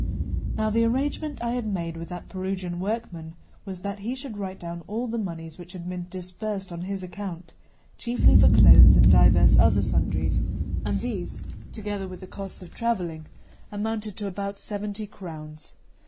Now the arrangement I had made with that Perugian workman was that he should write down all the monies which had been disbursed on his account, chiefly for clothes and divers other sundries; and these, together with the costs of travelling, amounted to about seventy crowns.